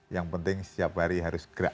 yang penting setiap hari harus gerak